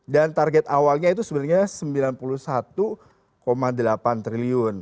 dan target awalnya itu sebenarnya sembilan puluh satu delapan triliun